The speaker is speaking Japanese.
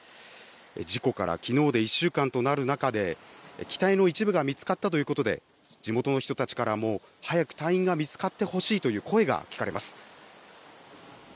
事故からきのうで１週間となる中で、機体の一部が見つかったということで、地元の人たちからも早く隊員が見つかってほしいという声が聞かれます。